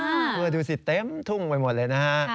เพื่อดูสิเต็มทุ่งไปหมดเลยนะฮะ